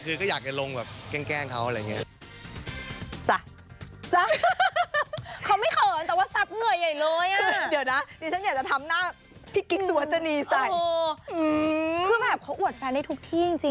คือแบบเขาอวดแฟนได้ทุกที่จริง